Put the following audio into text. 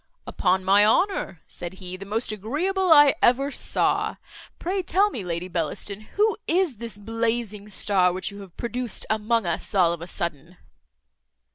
"Upon my honour," said he, "the most agreeable I ever saw. Pray tell me, Lady Bellaston, who is this blazing star which you have produced among us all of a sudden?"